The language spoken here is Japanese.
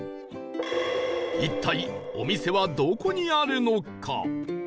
一体お店はどこにあるのか？